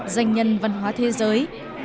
danh nhân văn hóa thế giới